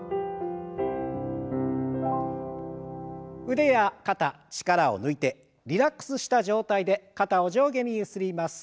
腕や肩力を抜いてリラックスした状態で肩を上下にゆすります。